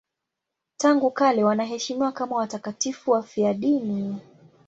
Tangu kale wanaheshimiwa kama watakatifu wafiadini.